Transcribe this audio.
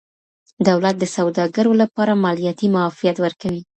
دولت د سوداګرو لپاره مالیاتي معافیت ورکوي.